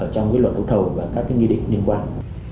trong luận đấu thầu và các nghi định liên quan